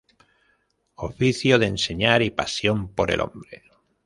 Oficio de enseñar y pasión por el hombre.